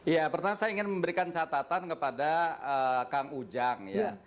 ya pertama saya ingin memberikan catatan kepada kang ujang ya